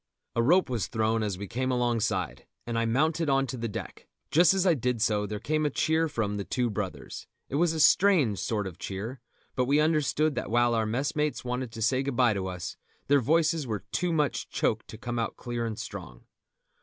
A rope was thrown as we came alongside, and I mounted on to the deck; just as I did so there came a cheer from The Two Brothers. It was a strange sort of cheer, but we understood that while our messmates wanted to say good bye to us, their voices were too much choked to come out clear and strong.